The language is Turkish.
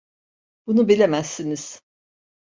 Bunu bilemezsiniz.